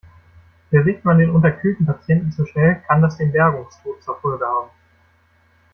Bewegt man den unterkühlten Patienten zu schnell, kann das den Bergungstod zur Folge haben.